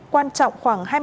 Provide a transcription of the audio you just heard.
quan trọng khoảng